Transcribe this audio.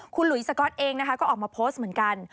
คุณหลุยสก๊อตเองนะคะก็ออกมาโพสต์เหมือนกัน